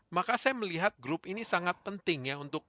maka saya melihat grup ini sangat penting ya untuk